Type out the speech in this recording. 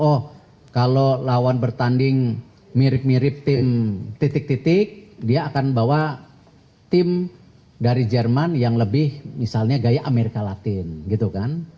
oh kalau lawan bertanding mirip mirip tim titik titik dia akan bawa tim dari jerman yang lebih misalnya gaya amerika latin gitu kan